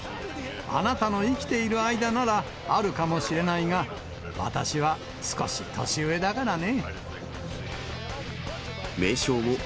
あなたの生きている間ならあるかもしれないが、私は少し年上だからね。